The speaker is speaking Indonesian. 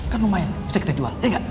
kan lumayan bisa kita jual ya nggak